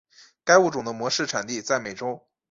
该物种的模式产地在美洲。